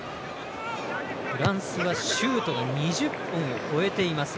フランスはシュートが２０本を超えています。